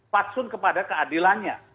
faksun kepada keadilannya